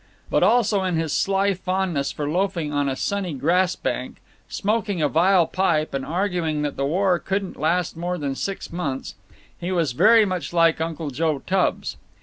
But also in his sly fondness for loafing on a sunny grass bank, smoking a vile pipe and arguing that the war couldn't last more than six months, he was very much like Uncle Joe Tubbs.